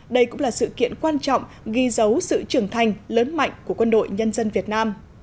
đây cũng là sự kiện quan trọng ghi dấu sự trưởng thành lớn mạnh của quân đội nhân dân việt nam